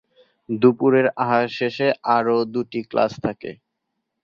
দুপুরের আহার শেষে আরও দুটি ক্লাস থাকে।